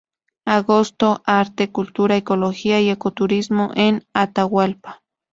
Agosto, arte, cultura, ecología y ecoturismo en Atahualpa.